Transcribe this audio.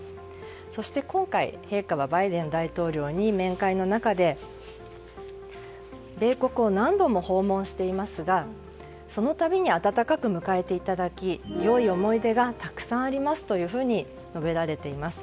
そして今回、陛下はバイデン大統領に、面会の中で米国を何度も訪問していますがその度に温かく迎えていただき良い思い出がたくさんありますと述べられています。